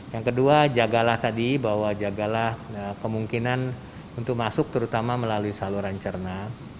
yang kedua jagalah tadi bahwa jagalah kemungkinan untuk masuk terutama melalui saluran cerna